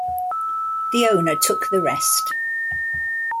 The owner took the rest.